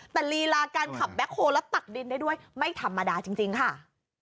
แต่ลีลาการขับแบ็คโฮและตักดินได้ด้วยไม่ธรรมดาจริงค่ะ